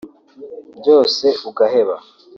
byose ugaheba